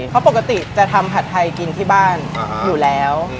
เพราะปกติจะทำผัดไทยกินที่บ้านอยู่แล้ว